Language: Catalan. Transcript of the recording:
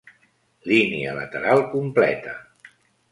Línia lateral completa.